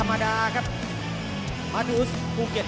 มาดูโรงเกียร์